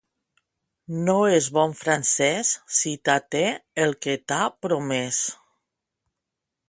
No és bon francès si t'até el que t'ha promès.